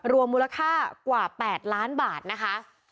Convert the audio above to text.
รวมมูลค่ากว่า๘ล้านบาทนะคะ